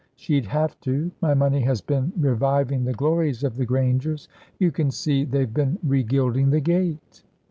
She'd have to. My money has been reviving the glories of the Grangers. You can see, they've been regilding the gate."